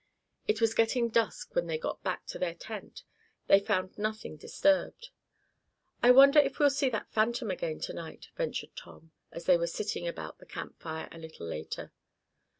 It was getting dusk when they got back to their tent. They found nothing disturbed. "I wonder if we'll see that phantom again to night?" ventured Tom, as they were sitting about the campfire a little later.